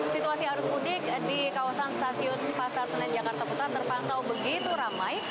situasi arus mudik di kawasan stasiun pasar senen jakarta pusat terpantau begitu ramai